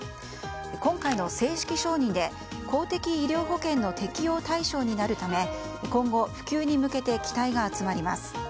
今回の正式承認で公的医療保険の適用対象になるため今後、普及に向けて期待が集まります。